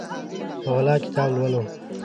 په غلا کتاب لولو